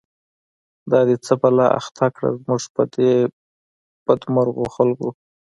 دا دی څه بلا اخته کړه، زمونږ په دی بد مرغوخلکو